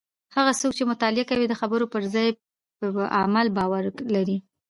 هغه څوک چې مطالعه کوي د خبرو پر ځای په عمل باور لري.